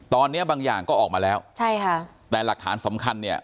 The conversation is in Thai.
ตอนนี้บางอย่างก็ออกมาแล้วใช่ค่ะแต่หลักฐานสำคัญเนี่ย